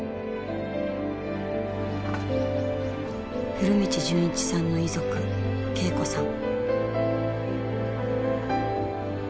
古道循一さんの遺族惠子さん。